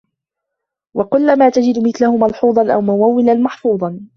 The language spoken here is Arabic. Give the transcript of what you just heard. وَقَلَّمَا تَجِدُ مِثْلَهُ مَلْحُوظًا أَوْ مُمَوَّلًا مَحْظُوظًا